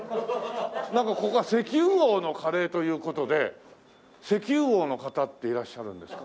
なんかここは石油王のカレーという事で石油王の方っていらっしゃるんですか？